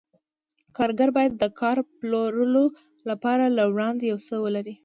کارګر باید د کار پلورلو لپاره له وړاندې یو څه ولري